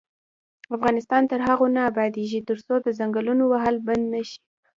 افغانستان تر هغو نه ابادیږي، ترڅو د ځنګلونو وهل بند نشي.